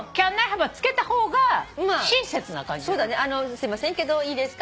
すいませんけどいいですか？